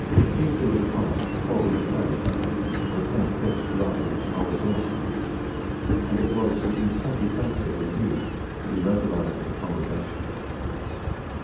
Easter was upon us before we were fairly settled, or a tent pitched large enough to hold us all; and it was 'in sundry places,' indeed, that we mobilised as a congregation.